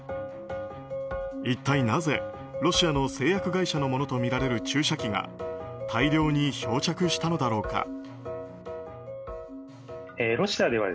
一体なぜロシアの製薬会社のものとみられる注射器が大量に漂着したのだろうか。